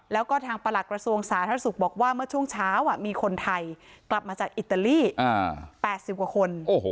แล้วก็ทางประหลักกระทรวงสาธารณสุขบอกว่าเมื่อช่วงเช้ามีคนไทยกลับมาจากอิตาลี๘๐กว่าคน